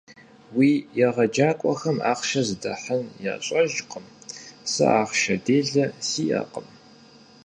Уи егъэджакӀуэхэм ахъшэр зыдахьын ящӀэжкъым, сэ ахъшэ делэ сиӀэкъым.